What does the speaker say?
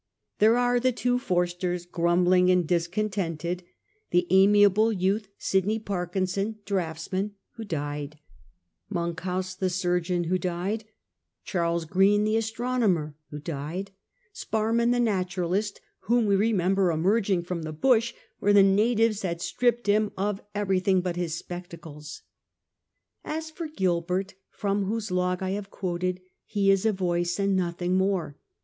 There are the two Forsters, grumbling and discontented; the amiable youth Sydney Parkinson, draughtsman, who died ; Monkhouse, the surgeon, who i8o CAPTAIN COOK chap. died ; Charles Green, the astronomer, who died ; Sparr man, the naturalist, whom wo remember emerging from the bush where the natives had stripped him of every thing but his spectacles. As for Gilbci't, from whose log I have quoted, he is a voice and nothing more.